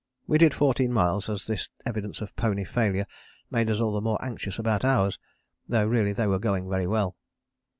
We did fourteen miles as this evidence of pony failure made us all the more anxious about ours, though really they were going very well.